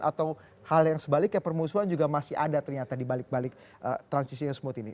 atau hal yang sebaliknya permusuhan juga masih ada ternyata di balik balik transisinya smooth ini